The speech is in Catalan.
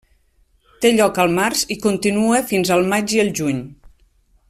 Té lloc al març i continua fins al maig i el juny.